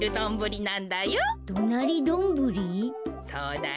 そうだよ。